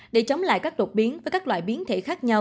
để chống lại các đột biến với các loại biến thể khác nhau